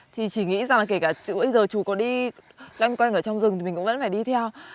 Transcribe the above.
thì chỉ nghĩ rằng kể cả bây giờ chú có đi lăng quanh ở trong rừng thì mình cũng vẫn phải đi theo